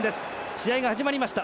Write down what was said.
試合が始まりました。